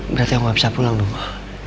berarti aku gak bisa pulang rumah